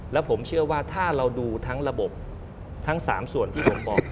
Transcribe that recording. แล้วผมเชื่อว่าถ้าเราดูทั้งระบบทั้ง๓ส่วนที่ผมบอก